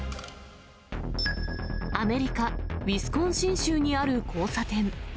アメリカ・ウィスコンシン州にある交差点。